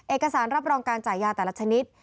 เอกสารรับรองการจ่ายยาแต่ละชนิด